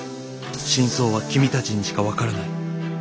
「真相は君たちにしかわからない」。